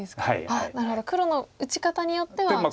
黒の打ち方によっては。